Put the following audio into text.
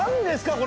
これ。